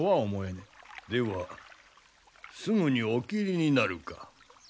ではすぐにお斬りになるか？